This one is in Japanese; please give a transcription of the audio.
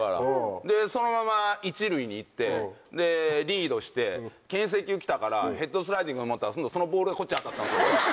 でそのまま１塁に行ってリードして牽制球きたからヘッドスライディングって今度はそのボールがこっちに当たったんです。